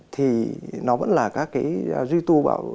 thì nó vẫn là các cái duy tù bảo